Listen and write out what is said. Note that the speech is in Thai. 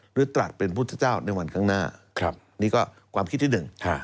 ตรัสเป็นพุทธเจ้าในวันข้างหน้านี่ก็ความคิดที่หนึ่ง